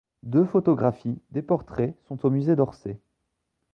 Deux photographies, des portraits, sont au musée d'Orsay.